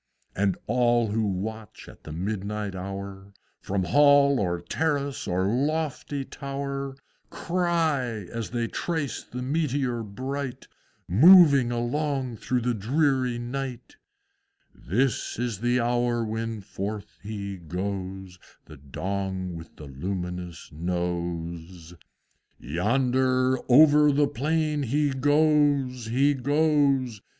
And all who watch at the midnight hour, From Hall or Terrace or lofty Tower, Cry, as they trace the Meteor bright, Moving along through the dreary night, "This is the hour when forth he goes, The Dong with a luminous Nose! Yonder, over the plain he goes, He goes!